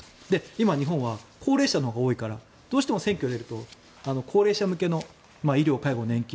今、日本は高齢者のほうが多いからどうしても選挙に出ると高齢者向けの医療、介護、年金。